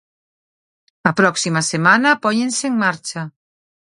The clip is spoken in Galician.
A próxima semana póñense en marcha.